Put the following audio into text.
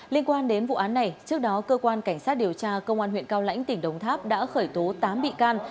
liên quan đến vụ án này trước đó cơ quan cảnh sát điều tra công an huyện cao lãnh tỉnh đồng tháp đã khởi tố tám bị can